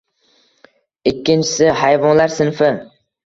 Ikkinchisi: hayvonlar sinfi